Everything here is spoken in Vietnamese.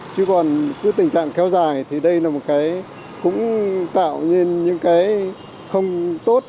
chứ còn cứ tình trạng kéo dài thì đây là một cái cũng tạo nên những cái không tốt